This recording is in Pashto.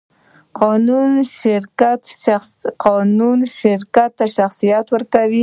قانون شرکت ته شخصیت ورکوي.